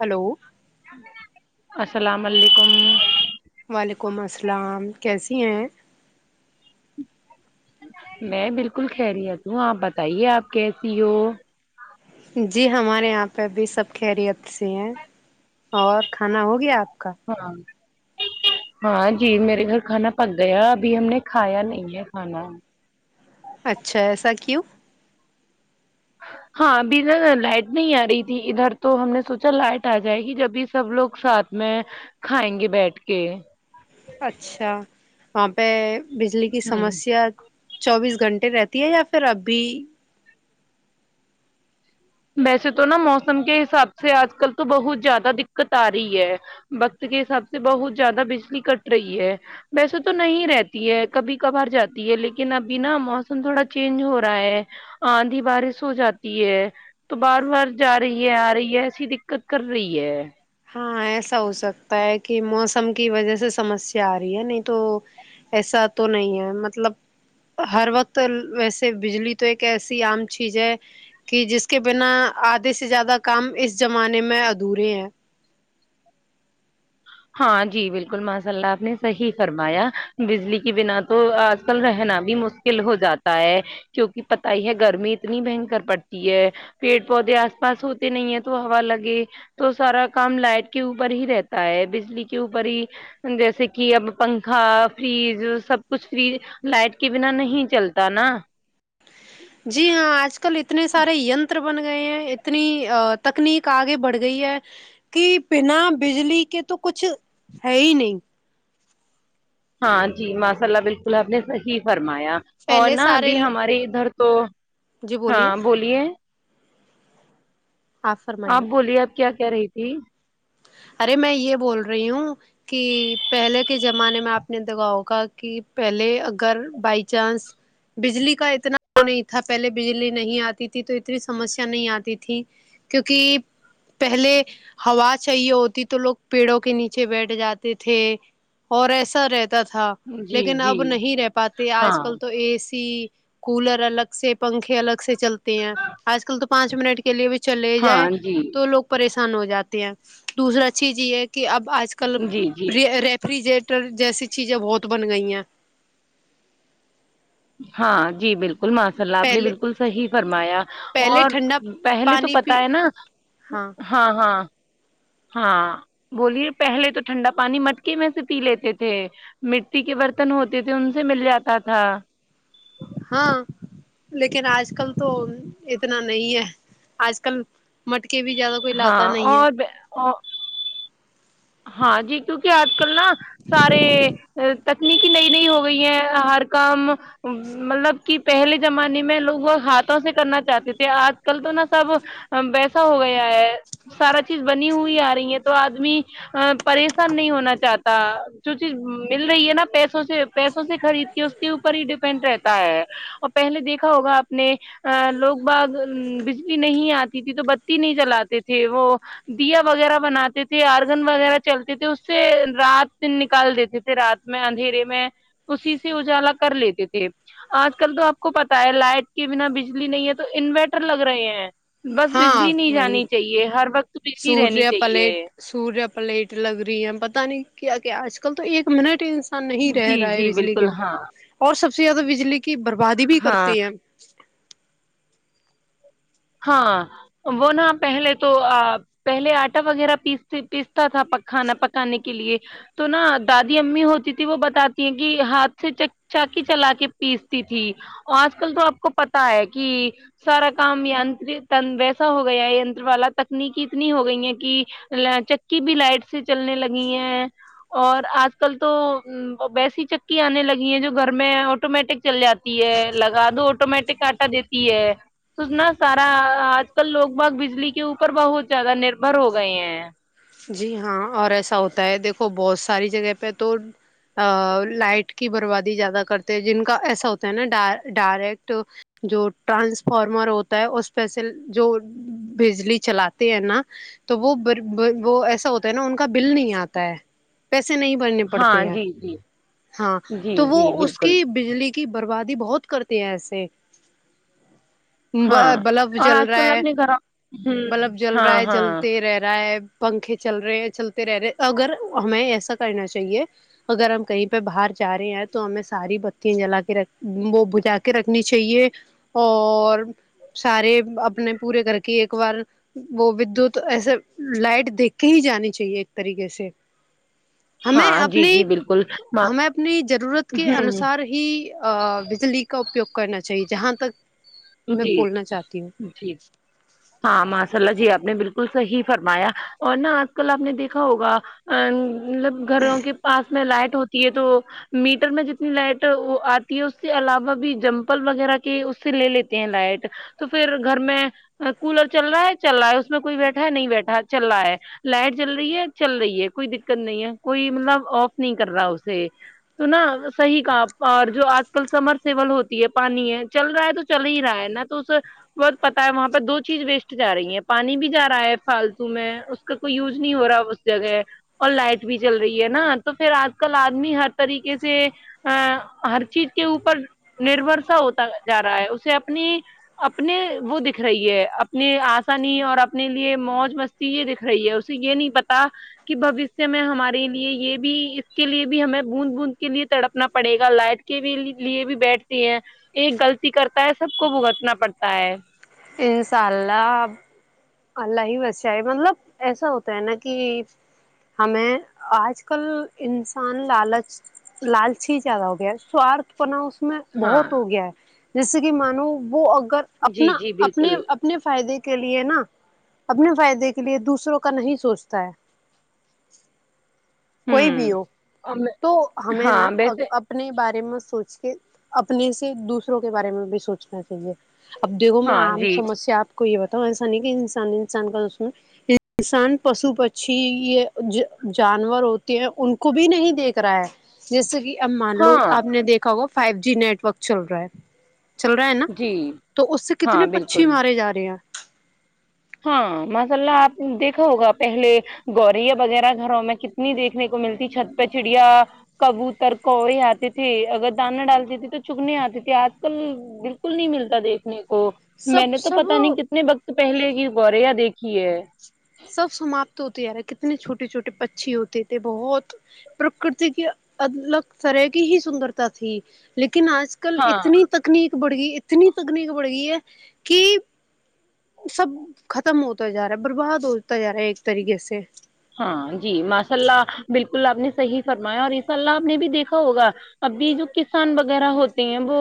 hello السلام علیکم وعلیکم السلام کیسی ہیں میں بالکل خیریت ہوں آپ بتائیے آپ کیسی ہو جی ہمارے یہاں پہ بھی سب خیریت سی ہیں اور کھانا ہو گیا آپ کا ہاں ہاں جی میرے گھر کھانا پک گیا ابھی ہم نے کھایا نہیں ہے کھانا اچھا ایسا کیوں ہاں ا بھی لائٹ نہیں آ رہی تھی ادھر تو ہم نے سوچا لائٹ آ جائے گی جب بھی سب لوگ ساتھ میں کھائیں گے بیٹھ کے اچھا وہاں پہ بجلی کی ہوں سمسیا چوبیس گھنٹے رہتی ہے یا پھر ابھی ویسے تو نا موسم کے حساب سے آج کل تو بہت زیادہ دقت آ رہی ہے وقت کے حساب سے بہت زیادہ بجلی کٹ رہی ہے ویسے تو نہیں رہتی ہے کبھی کبھار جاتی ہے لیکن ابھی نا موسم تھوڑا چینج ہو رہا ہے آندھی بارش ہو جاتی ہے تو بار بار جا رہی ہے آ رہی ہے ایسی دقت کر رہی ہے ہاں ایسا ہو سکتا ہے کہ موسم کی وجہ سے سمسیا آ رہی ہے نہیں تو ایسا تو نہیں ہے مطلب ہر وقت ویسے بجلی تو ایک ایسی عام چیز ہے کہ جس کے بنا آدھے سے زیادہ کام اس زمانے میں ادھورے ہیں ہاں جی بالکل ماشاء اللہ آپ نے صحیح فرمایا بجلی کے بنا تو آج کل رہنا بھی مشکل ہو جاتا ہے کیونکہ پتا ہی ہے گرمی اتنی بھینکر پڑتی ہے پیڑ پودے آس پاس ہوتے نہیں ہے تو ہوا لگے تو سارا کام لائٹ کے اوپر ہی رہتا ہے بجلی کے اوپر ہی جیسے کہ اب پنکھا فریج سب کچھ فری لائٹ کے بنا نہیں چلتا نا جی ہاں آج کل اتنے سارے ینتر بن گئے ہیں اتنی تکنیک آگے بڑھ گئی ہے کہ بنا بجلی کے تو کچھ ہے ہی نہیں ہاں جی ماشاء اللہ بالکل ہم نے صحیح فرمایا اور پہلے نہا سارے ابھی ہمارے ادھر تو جی بولیے ہاں بولیے آپ بولیے آپ کیا کہہ رہی تھی ارے میں یہ بول رہی ہوں کہ پہلے کے زمانے میں آپ نے دگاؤگا کہ پہلے اگر بائی چانس بجلی کا اتنا نہیں تھا پہلے بجلی نہیں آتی تھی تو اتنی سمسیا نہیں آتی تھی کیونکہ پہلے ہوا چاہیے ہوتی تو لوگ پیڑوں کے نیچے بیٹھ جاتے تھے اور ایسا رہتا تھا جی لیکن جی اب نہیں رہ پاتے ہاں آج کل تو اے سی کولر الگ سے پنکھے الگ سے چلتے ہیں آج کل تو پانچ منٹ کے لیے بھی چلے ہاں جائ جی تو لوگ پریشان ہو جاتے ہیں دوسرا چیز یہ ہے کہ اب آج کل جی جی ریپ فریجریٹر جیسی چیزیں بہت بن گئی ہیں ہاں جی بالکل بالکل ماشاء اللہ آپ نے پہلے بالکل صحیح فرمایا پہلے اور ٹھنڈا پہلے تو پانی پی پتا ہے نا ہاں ہاں ہاں ہاں بولیے پہلے تو ٹھنڈا پانی مٹکے میں سے پی لیتے تھے مٹی کے برتن ہوتے تھے ان سے مل جاتا تھا ہاں لیکن آج کل تو اتنا نہیں ہے آج کل مٹک بھی زیادہ کوئی ہاں لاتا نہیں ہے اور ہاں جی کیونکہ آج کل نا سارے تکنیکی نئی نئی ہو گئی ہیں ہر کام مطلب کہ پہلے زمانے میں لوگ ہاتھوں سے کرنا چاہتے تھے آج کل تو نا سب ویسا ہو گیا ہے سارا چیز بنی ہوئی آ رہی ہے تو آدمی پریشان نہیں ہونا چاہتا جو چیز مل رہی ہے نا پیسوں سے پیسوں سے خرید کے اس کے اوپر ہی ڈیپینڈ رہتا ہے اور پہلے دیکھا ہوگا آپ نے ا لوگ باغ بجلی نہیں آتی تھی تو بتی نہیں جلاتے تھے وہ دیا وغیرہ بناتے تھے اور لن وغیرہ چلتی تھی اس سے رات نکال دیتے تھے رات میں اندھیرے میں اسی سے اجالا کر لیتے تھے آج کل تو آپ کو پتا ہے لائٹ کے بنا بجلی نہیں ہے تو انوریٹر لگ رہے ہیں بس ہاں بجلی نہیں وہی جانی چاہیے ہر وقت بجلی رہنی سوریہ چاہیے پلیٹ سوریہ پلیٹ لگ رہی ہے پتہ نہیں کیا کہ آج کل تو ایک منٹ انس ان نہیں رہ جی رہا ہے جی بجلی کے بالکل ہاں اور سب سے زیادہ بجلی کی بربادی بھی ہاں کرتے ہیں ہاں وہ نا پہلے تو پہلے آٹا وغیرہ پیس پیستا تھا کھانا پکانے کے لیے تو نا دادی امی ہوتی تھی وہ بتاتی ہیں کہ ہاتھ سے چ چاکی چلا کے پیستی تھی آج کل تو آپ کو پتا ہے کہ سارا کام ت ویسا ہو گیا ہے نت والا تکنیکی اتنی ہو گئی ہے کہ چکی بھی لائٹ سے چلنے لگی ہیں اور آج کل تو ویسی چکی آنے لگی ہیں جو گھر میں آٹومیٹک چل جاتی لگادو آٹومیٹک کاٹا دیتی ہے سونا سارا آج کل لوگ باگ بجلی کے اوپر بہت زیادہ نربھر ہو گئے ہیں جی ہاں اور ایسا ہوتا ہے دیکھو بہت ساری جگہ پہ تو ا لائٹ کی بربادی زیادہ کرتے ہیں جن کا ایسا ہوتا ہے نا ڈ ڈائریکٹ جو ٹرانسفارمر ہوتا ہے اسپیسل جو بجلی چلاتے ہیں نا تو وہ ببر وہ ایسا ہوتا ہے نا ان کا بل نہیں آتا ہے پیسے نہیں بننے پڑتے ہاں ہیں جی جی ہاں جی تو وہ جی اس بالکل کی بجلی کی بربادی بہت کرتی ہیں ایسے ہاں با بلب اور جل آج رہا کل ہے اپنے گھروں ہوں بلب جل ہاں رہا ہے ہاں جلتے رہ رہا ہے پنکھے چل رہے ہیں چلتے رہ رہے اگر ہمیں ایسا کرنا چاہیے اگر ہم کہیں پہ باہر جا رہے ہیں تو ہمیں ساری بتییاں جلا کے وہ بجا کے رکھنی چاہیے اور سارے اپنے پورے کر کے ایک بار وہ ودوت ایسے لائٹ دیکھ کے ہی جانی چاہیے ایک طریقے سے ہمیں ہاں جی اپنی جی بالکل ہمیں اپنی ضرورت کے ہوں انوسار ہی بجلی کا اپیوگ کرنا چاہیے جہاں تک میں جی بولنا چاہتی ہوں جی ہاں ماشاء اللہ جی آپ نے بالکل صحیح فرمایا اور نہا آج کل آپ نے دیکھا ہوگا ا مطلب گھروں کے پاس میں لائٹ ہوتی ہے تو میٹر میں جتنی لائٹ آتی ہے اس کے علاوہ بھی جمپل وغیرہ کے اس سے لے لیتے ہیں لائٹ تو پھر گھر میں کولر چل رہا ہے چل رہا ہے اس میں کوئی بیٹھا ہے نہیں بیٹھا چل رہا ہے لائٹ چل رہی ہے چل رہی ہے کوئی دککت نہیں ہے کوئی مطلب آف نہیں کر رہا اسے تو نا صحیح کہا آپ باہر جو آج کل سمر سیول ہوتی ہے پانی ہے چل رہا ہے تو چل ہی رہا ہے نا تو اسے بہت پتا ہے وہاں دو چیز ویسٹ جا رہی ہے پانی بھی جا رہا ہے فالتو میں اس کا کوئی یوز نہیں ہو رہا اس جگہ اور لائٹ بھی چل رہی ہے نا تو پھر آج کل آدمی ہر طریقے سے ہاں ہر چیز کے اوپر نربھر سا ہوتا جا رہا ہے اسے اپنی اپنے وہ دیکھ رہی ہے اپنے آسانی اور اپنے لیے موج مستی یہ دیکھ رہی ہے اسے یہ نہیں پتا کہ بھوشیہ میں ہمارے لیے یہ بھی اس کے لیے بھی ہمیں بوند بوند کے لیے تڑپنا پڑے گا لائٹ کے بھی لیے بھی بیٹھتی ہیں ایک غلطی کرتا ہے سب کو بھگتنا پڑتا ہے انشاء اللہ اللہ ہی بچاۓ ہے مطلب ایسا ہوتا ہے نا کی ہمیں آج کل انسان لالچ لالچی زیادہ ہو گیا سوارد پنہ اس میں ہاں بہت ہو گیا ہے جیسے کہ مانو وہ اگر جی اپنا جی بالکل اپنے اپنے فائدے کے لیے نا اپنے فائدے کے لیے دوسروں کا نہیں سوچتا ہے کوئی ہوں بھی ہو اور میں تو ہمیں نا ہاں اب ویسے اپنے بارے میں سوچ کے اپنے سے دوسروں کے بارے میں بھی سوچنا چاہیے اب دیکھو میں ہاں عام جی سمسیا آپ کو یہ بتاؤں ایسا نہیں کہ انسان انسان کا دشمن انسان پشو پکشی یہ جانور ہوتے ہیں ان کو بھی نہیں دیکھ رہا ہے جیسے کہ اب مان لو ہاں آپ نے دیکھا ہوا فائیو جی نیٹورک چل رہا ہے چل رہا ہے نا جی تو اس سے ہاں کتنے پکشی بالکل مارے جا رہے ہیں ہاں ماشاء اللہ آپ نے دیکھا ہوگا پہلے گوریا وغیرہ گھروں میں کتنی دیکھنے کو ملتی چھت پہ چڑیا کبوتر کوئی آتی تھی اگر دانہ ڈالتی تھی تو چگنی آتی تھی آج کل بالکل نہیں ملتا دیکھنے کو میں سب نے تو پتا نہیں سب کتنے وقت پہلے ہی گوریا دیکھی ہے سب سماپت ہوتے یار کتنے چھوٹے چھوٹے پکشی ہوتے تھے بہت پرکرتی کی الگ طرح کی ہی سندرتا تھی لیکن آج کل ہاں اتنی ٹکنیک بڑھ گئی اتنی ٹکنیک بڑھ گئی ہے کی سب ختم ہوتا جا رہا ہے برباد ہوتا جا رہا ہے ایک طریقے سے ہاں جی ماشاء اللہ بالکل آپ نے صحیح فرمایا اور انشاء اللہ آپ نے بھی دیکھا ہوگا ابھی جو کسان وغیرہ ہوتے ہیں وہ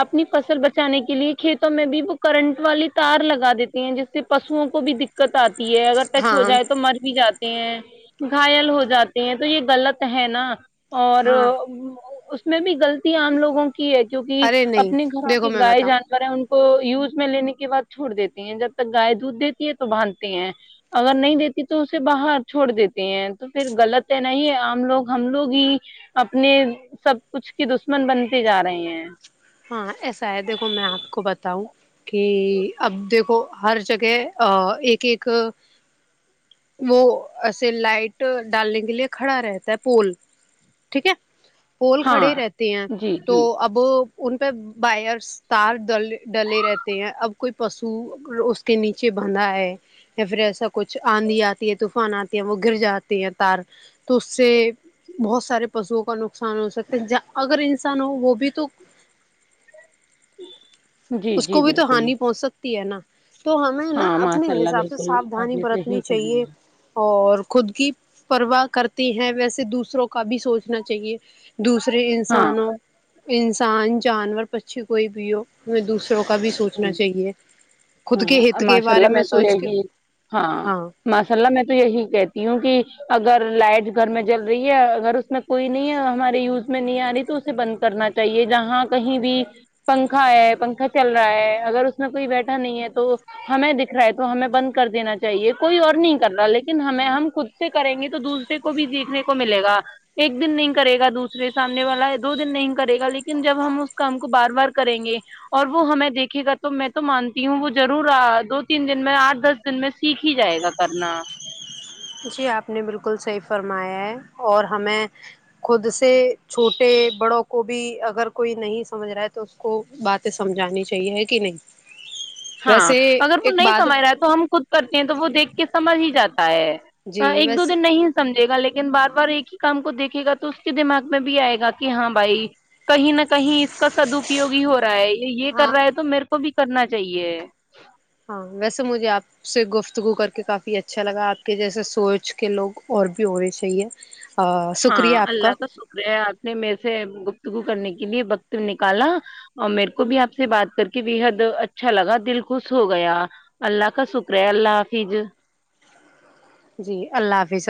اپنی فصل بچانے کے لیے کھیتوں میں بھی وہ کرنٹ والی تار لگا دیتی ہیں جس سے پشوؤں کو بھی دکھ دککت آتی ہے اگر ٹچ ہو ہاں جائے تو مر بھی جاتے ہیں گھائل ہو جاتے ہیں تو یے غلط ہے نا اور ہاں اس میں بھی غلطیاں ہم لوگوں کی ہے جو کی ارے نہیں اپنے گھروں دیکھو کے میں گائے بتاؤں جانور ہیں ان کو یوز میں لینے کے بعد چھوڑ دیتی ہیں جب تک گائے دودھ دیتی ہے تو باندتے ہیں اگر نہیں دیتی تو اسے باہر چھوڑ دیتے ہیں تو فیر غلط ہے نہیں ہے آم لوگ ہم لوگ ہی اپنے سب کچھ کی دشمن بنتے جا رہے ہیں ہاں ایسا ہے دیکھو میں آپ کو بتاؤں کی اب دیکھو ہر جگہ آ ایک ایک وہ آسے لائٹ ڈالنے کے لیے کھڑا رہتا ہے پول ٹھیک ہے پول ہاں کھڑے رہتے ہیں جی تو جی اب ان پے وائرس تار ڈل ڈلے رہتے ہیں اب کوئی پشو اس کے نیچے بندھا ہے یا پھر ایسا کچھ آندھی آتی ہے طوفان آتی ہے وہ گر جاتے ہیں تار تو اس سے بہت سارے پشوؤں کا نقصان ہو سکتا اگر انسان ہو وہ بھی تو جی اس جی کو بھی تو بالکل ہانی پہنچ سکتی تی ہے نا تو ہمیں نا ہاں اپنے ماشاء اللہ حساب سے بالکل آپ سافدھانی نے صحیح برتنی چاہیے فرمایا اور خود کی پرواہ کرتے ہیں ویسے دوسروں کا بھی سوچنا چاہیے دوسرے ہاں انسانوں ان سان جانور پچھی کوئی بھی ہو دوسروں کا بھی سوچنا چاہیے خود کے ہاں ہت کے ماشاء بارے اللہ میں سوچ کے ہاں ماشا اللہ میں تو یہی کہتی ہوں کی اگر لائٹ گھر میں جل رہی ہے اگر اس میں کوئی نہیں ہمارے یوز میں نہیں آ رہی تو سے بند کرنا چاہیے جہاں کہیں بھی پنکھا ہے پنکھا چل رہا رہا ہے اگر اس میں کوئی بیٹھا نہیں ہے تو ہمیں دکھ رہا ہے تو ہمیں بند کر دینا چاہیے کوئی اور نہیں کر رہا لیکن ہمیں ہم خود سے کریں گے تو دوسرے کو بھی سیکھنے کو ملے گا ایک دن نہیں کرے گا دوسرے سامنے والا دو دن نہیں کرے گا لیکن جب ہم اس کام کو بار بار کریں گے اور وہ ہمیں دیکھے گا تو میں تو مانتی ہوں وہ ضرور ا دو تین دن میں آٹھ دس دن میں سیکھ ہی جائے گا کرنا جی آپ نے بالکل صحیح فرمایا ہے اور ہمیں خود سے چھوٹ ٹے بڑوں کو بھی اگر کوئی نہیں سمجھ رہا ہے تو اس کو باتیں سمجھانی چاہیے ہے کی نہیں [inaudible] ہاں اگر وہ ایک نہیں بات سمجھ رہا ہے تو ہم خود کرتے ہیں تو وہ دیکھ کے سمجھ ہی جاتا ہے جی ایک دو ویسے دن نہیں سمجھے گا لیکن بار بار ایک ہی کام کو دیکھے گا تو اس کے دماغ میں بھی آئے گا کی ہاں بھائی کہیں نہ کہیں اس کا سدپیوگ ہی ہو رہا ہے یہ یہ کر ہاں رہا ہے تو میرے کو بھی کرنا چاہیے ہاں ویسے مجھے آپ سے گفتگو کر کے کافی اچھا لگا آپ کے جیسے سوچ کے لوگ اور بھی ہونے چاہیے شکریہ آپ کا وے آپ نے میر سے گپتگو کرنے کے لیے وقت نکالا اور میر کو بھی آپ سے بات کر کے بےحد اچھا لگا دل خوش ہو گیا اللہ کا شکر ہے اللہ حافج جی اللہ حافظ